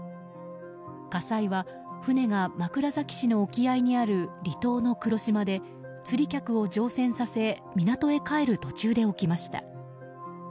火災は、船が枕崎市の沖合にある離島の黒島で、釣り客を乗船させ港へ帰る途中で起きました。